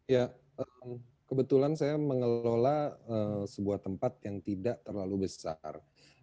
ya kebetulan saya mengelola sebuah tempat yang tidak terlalu besar